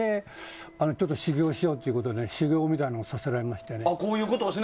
修業をしようということで修行みたいなのをさせられまして。